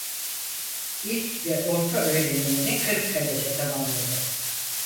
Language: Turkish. İlk ve orta öğrenimini Kırıkkale'de tamamladı.